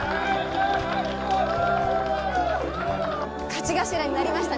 勝ち頭になりましたね。